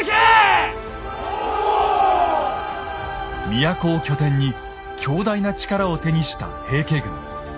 都を拠点に強大な力を手にした平家軍。